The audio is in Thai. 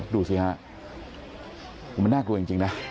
ดูสิฮะมันน่ากลัวจริงนะ